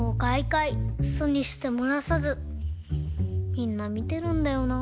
みんなみてるんだよなぁ。